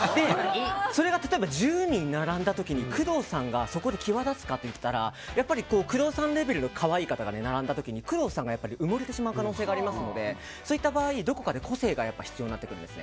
それが例えば１０人並んだ時に工藤さんがそこで際立つかといったらやっぱり工藤さんレベルの可愛い方が並んだ時に工藤さんが埋もれてしまう可能性がありますのでそういった場合、どこかで個性が必要になってくるんです。